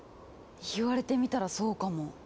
言われてみたらそうかも。